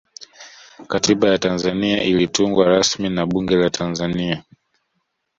katiba ya tanzania ilitungwa rasmi na bunge la tanzania